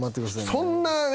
そんなね